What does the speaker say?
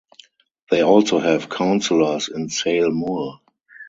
They also have councillors in Sale Moor.